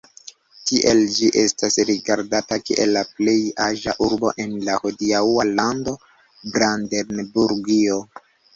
Tiel ĝi estas rigardata kiel la plej aĝa urbo en la hodiaŭa lando Brandenburgio.